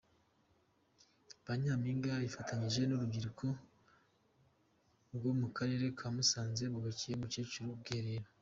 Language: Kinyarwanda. Ba Nyampinga bifatanyije n'urundi rubyiruko rwo mu karere ka Musanze bubakiye umukecuru ubwiherero.